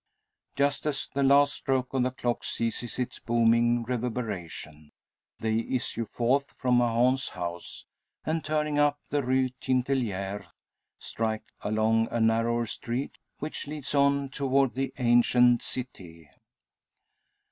Just as the last stroke of the clock ceases its booming reverberation, they issue forth from Mahon's house; and, turning up the Rue Tintelleries, strike along a narrower street, which leads on toward the ancient cite.